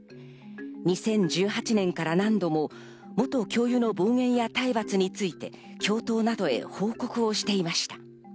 ２０１８年から何度も元教諭の暴言や体罰について教頭などへ報告をしていました。